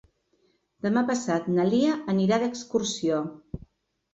Demà passat na Lia anirà d'excursió.